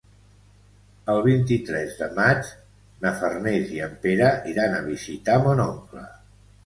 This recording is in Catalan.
El vint-i-tres de maig na Farners i en Pere iran a visitar mon oncle.